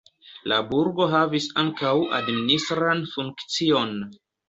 La burgo havis ankaŭ administran funkcion.